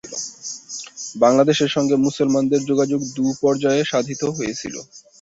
বাংলাদেশের সঙ্গে মুসলমানদের যোগাযোগ দুপর্যায়ে সাধিত হয়েছিল।